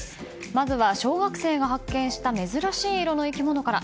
まずは小学生が発見した珍しい色の生き物から。